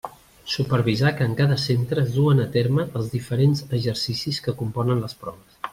Supervisar que en cada centre es duen a terme els diferents exercicis que componen les proves.